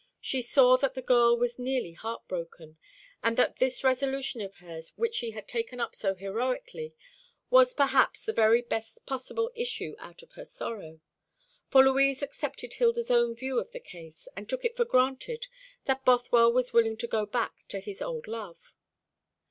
She saw that the girl was nearly heart broken, and that this resolution of hers which she had taken up so heroically was perhaps the very best possible issue out of her sorrow: for Louise accepted Hilda's own view of the case, and took it for granted that Bothwell was willing to go back to his old love.